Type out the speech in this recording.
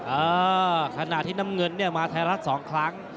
เออขณะที่น้ำเงินก็จะมาถาฮาส๒ครั้ง